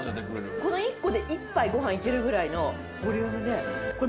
この１個で１杯ご飯いけるぐらいのボリュームで。